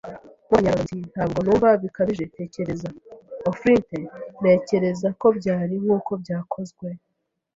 Morgan yatontomye ati: “Ntabwo numva bikabije. “Tekereza 'o' Flint - Ntekereza ko byari - nkuko byakozwe